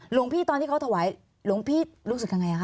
หลวงพี่ตอนที่เขาถวายหลวงพี่รู้สึกยังไงคะ